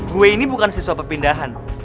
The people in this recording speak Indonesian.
gue ini bukan siswa perpindahan